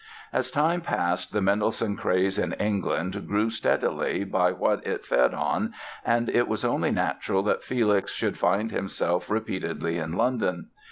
As time passed the Mendelssohn craze in England grew steadily by what it fed on and it was only natural that Felix should find himself repeatedly in London.